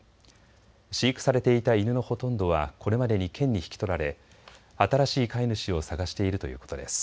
飼育されていた犬のほとんどはこれまでに県に引き取られ新しい飼い主を探しているということです。